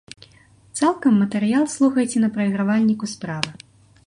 Цалкам матэрыял слухайце на прайгравальніку справа.